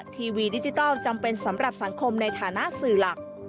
ทีวีดิจิทัลจำเป็นสำหรับสังคมในฐานะสื่อหลัก